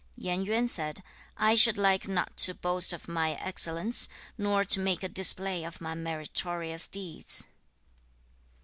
3. Yen Yuan said, 'I should like not to boast of my excellence, nor to make a display of my meritorious deeds.'